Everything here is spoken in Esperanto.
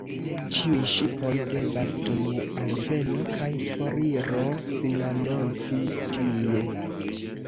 Ĉiuj ŝipoj devas dum alveno kaj foriro sinanonci tie.